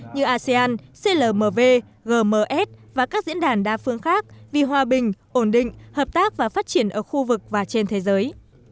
như asean clmv gms và các diễn đàn đa phương khác vì hòa bình ổn định hợp tác và phát triển ở khu vực và trên thế giới